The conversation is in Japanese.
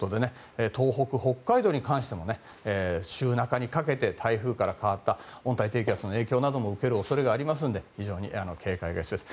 東北、北海道に関しても週の真ん中にかけて台風から変わった温帯低気圧の影響などを受ける恐れがありますので非常に警戒が必要です。